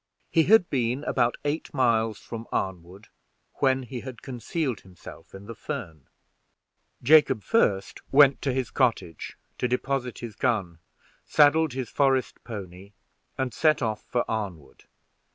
He had been about eight miles from Arnwood when he had concealed himself in the fern. Jacob first went to his cottage to deposit his gun, saddled his forest pony, and set off for Arnwood.